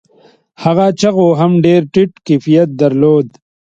هغو چيغو هم ډېر ټيټ کيفيت درلود.